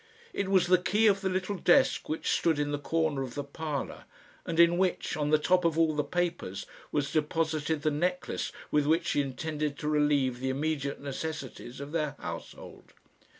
It was the key of the little desk which stood in the corner of the parlour, and in which, on the top of all the papers, was deposited the necklace with which she intended to relieve the immediate necessities of their household.